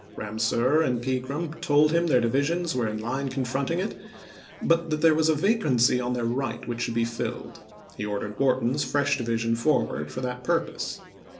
Ramseur and Pegram oct.i9,i86*. told him their divisions were in line confronting it, but that there was a vacancy on their right which should be filled ; he ordered Wharton's fresh divi sion forward for that purpose.